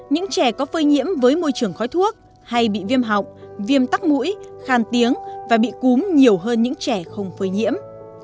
những trẻ có phơi nhiễm với môi trường khói thuốc hay bị viêm họng viêm tắc mũi khan tiếng và bị cúm nhiều hơn những trẻ không phơi nhiễm